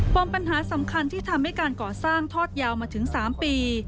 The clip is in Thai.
มปัญหาสำคัญที่ทำให้การก่อสร้างทอดยาวมาถึง๓ปี